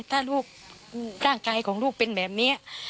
ถ้าลูกร่างกายของลูกเป็นแบบนี้